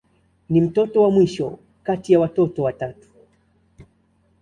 Ni mtoto wa mwisho kati ya watoto watatu.